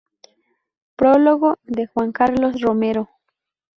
Prólogo de Juan Carlos Romero.